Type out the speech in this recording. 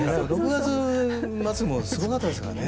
６月末もすごかったですかね。